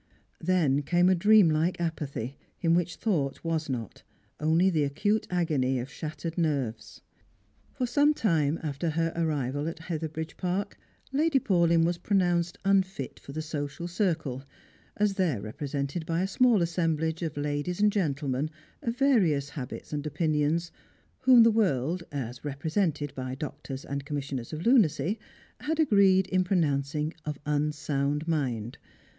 Then came a dream like apathy, in which thought was not, only the acute agony of shattered nerves. For some time after her arrival at Hetheridge Park, Lady Paulyn was pronounced unfit for the social circle, as there re presented by a small assemblage of ladies and gentlemen of various habits and opinions, whom the world, as represented by doctors and commissioners of lunacy, had agreed in pronouncing of unsound mind.